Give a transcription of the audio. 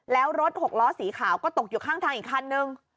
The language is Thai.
แล้วรถหกล้อสีขาวก็ตกอยู่ข้างทางอีกคันนึง